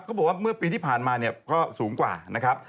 บอกว่าเมื่อปีที่ผ่านมาเนี่ยก็สูงกว่านะครับ